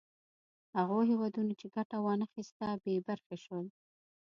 هغو هېوادونو چې ګټه وا نه خیسته بې برخې شول.